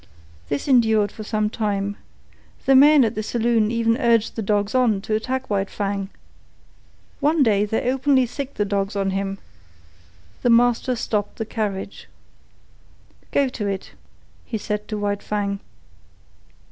This endured for some time. The men at the saloon even urged the dogs on to attack White Fang. One day they openly sicked the dogs on him. The master stopped the carriage. "Go to it," he said to White Fang.